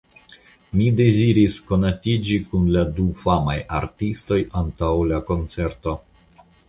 Mi deziris konatiĝi kun la du famaj artistoj antaŭ la koncerto.